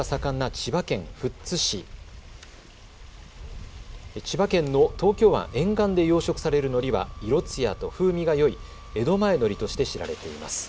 千葉県の東京湾沿岸で養殖されるのりは色つやと風味がよい江戸前海苔として知られています。